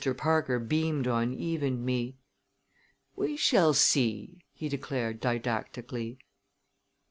Parker beamed on Eve and me. "We shall see!" he declared didactically.